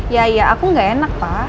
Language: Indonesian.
ya ya aku ga enak pak